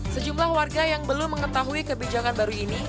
sejumlah warga yang belum mengetahui kebijakan baru ini